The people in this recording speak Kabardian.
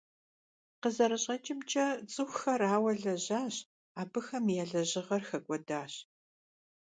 КъызэрыщӀэкӀымкӀэ, цӀыхухэр ауэ лэжьащ, абыхэм я лэжьыгъэр хэкӀуэдащ.